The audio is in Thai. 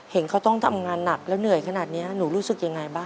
เห็นเขาต้องทำงานหนักแล้วเหนื่อยขนาดนี้หนูรู้สึกยังไงบ้าง